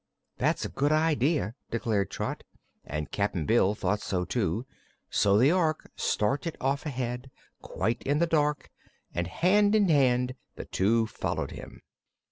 "That's a good idea," declared Trot, and Cap'n Bill thought so, too. So the Ork started off ahead, quite in the dark, and hand in band the two followed him.